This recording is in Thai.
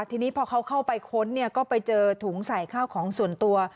ทีนี้พอเขาเข้าไปค้นก็ไปเจอถุงใส่ข้าวของส่วนตัว